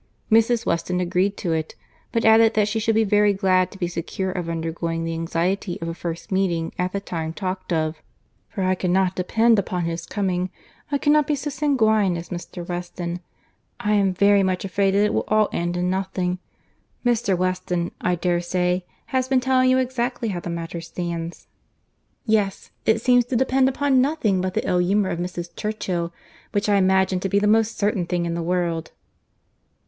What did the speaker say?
— Mrs. Weston agreed to it; but added, that she should be very glad to be secure of undergoing the anxiety of a first meeting at the time talked of: "for I cannot depend upon his coming. I cannot be so sanguine as Mr. Weston. I am very much afraid that it will all end in nothing. Mr. Weston, I dare say, has been telling you exactly how the matter stands?" "Yes—it seems to depend upon nothing but the ill humour of Mrs. Churchill, which I imagine to be the most certain thing in the world."